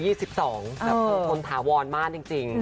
แบบคุณท้าวรมากจริงสุดยอด